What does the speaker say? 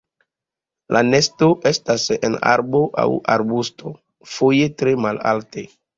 La nesto estas en arbo aŭ arbusto, foje tre malalte.